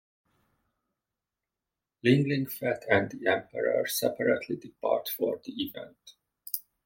Ling Ling-Fat and the Emperor separately depart for the event.